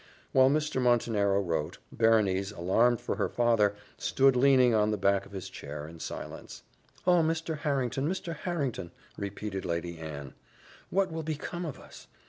While Mr. Montenero wrote, Berenice, alarmed for her father, stood leaning on the back of his chair, in silence. "Oh! Mr. Harrington! Mr. Harrington!" repeated Lady Anne, "what will become of us!